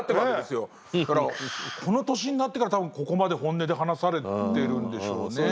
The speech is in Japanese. だからこの年になってからたぶんここまで本音で話されてるんでしょうね。